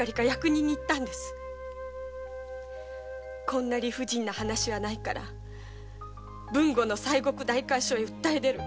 「こんな理不尽な話はないから豊後の西国代官所に訴える」